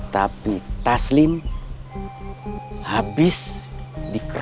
tapi taslim habis dikabur